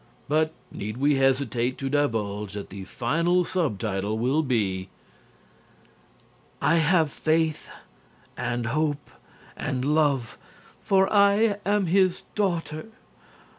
But need we hesitate to divulge that the final subtitle will be: "'I HAVE FAITH AND HOPE AND LOVE, FOR I AM HIS DAUGHTER.'